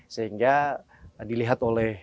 sehingga dilihat oleh